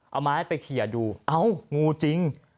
เอาไม้ไปเขียดูเอ้างูจริง